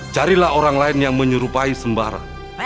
carilah orang lain yang menyerupai sembara